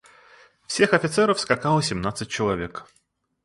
Всех офицеров скакало семнадцать человек.